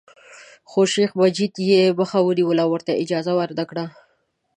خو شیخ مجید یې مخه ونیوله او ورته یې اجازه ورنکړه.